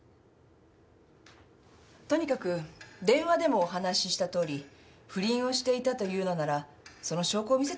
とにかく電話でもお話ししたとおり不倫をしていたというのならその証拠を見せてもらえませんか。